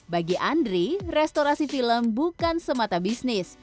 bagi andri restorasi film bukan semata bisnis